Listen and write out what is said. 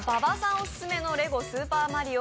オススメのレゴスーパーマリオ